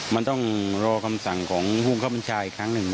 มันต้องรอคำสั่งของฮุงข้าวบรรชาอีกครั้งหนึ่ง